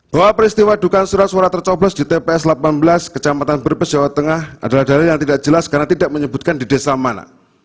bahwa peristiwa duka surat suara tercoblos di tps delapan belas kecamatan brebes jawa tengah adalah daerah yang tidak jelas karena tidak menyebutkan di desa mana